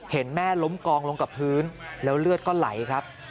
เห็นแม่ล้มกองลงกับพื้นแล้วเลือดก็ไหลครับ